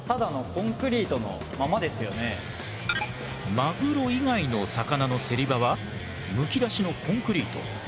マグロ以外の魚の競り場はむき出しのコンクリート。